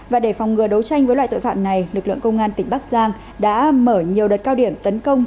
và để phòng ngừa đấu tranh với loại tội phạm này lực lượng công an tỉnh bắc giang đã mở nhiều đợt cao điểm tấn công